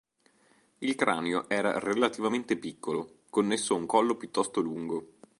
Il cranio era relativamente piccolo, connesso a un collo piuttosto lungo.